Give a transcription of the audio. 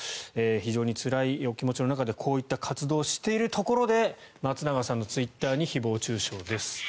非常につらいお気持ちの中でこういった活動をしているところで松永さんのツイッターに誹謗・中傷です。